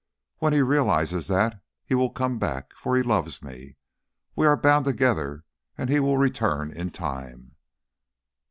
When he realizes that, he will come back, for he loves me. We are bound together and he will return in time."